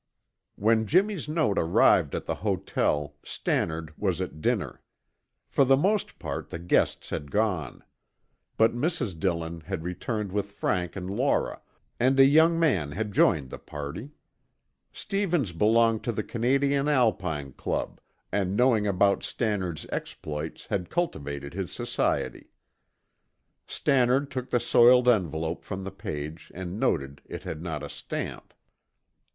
When Jimmy's note arrived at the hotel Stannard was at dinner. For the most part, the guests had gone, but Mrs. Dillon had returned with Frank and Laura, and a young man had joined the party. Stevens belonged to the Canadian Alpine Club, and knowing about Stannard's exploits, had cultivated his society. Stannard took the soiled envelope from the page and noted it had not a stamp.